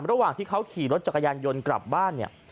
ระหว่างที่เขาขี่รถจักรยานยนต์กลับบ้านเนี่ย